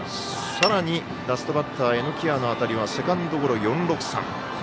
さらにラストバッター榎谷の当たりはセカンドゴロ、４−６−３。